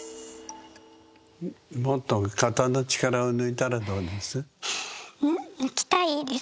もっと肩の力を抜いたらどうです？